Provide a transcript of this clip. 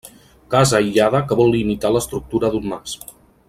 Casa aïllada que vol imitar l'estructura d'un mas.